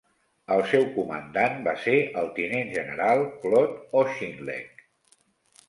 El seu comandant va ser el tinent general Claude Auchinleck.